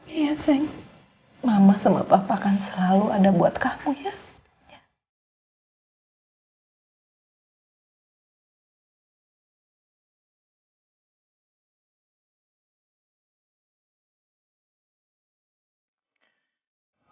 iya sayang mama sama papa kan selalu ada buat kamu ya